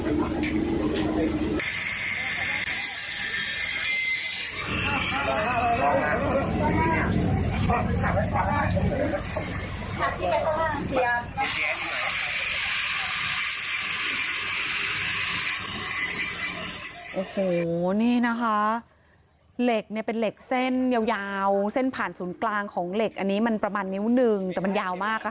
โอ้โหนี่นะคะเหล็กเนี่ยเป็นเหล็กเส้นยาวเส้นผ่านศูนย์กลางของเหล็กอันนี้มันประมาณนิ้วหนึ่งแต่มันยาวมากค่ะ